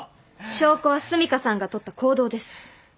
証拠は澄香さんがとった行動です。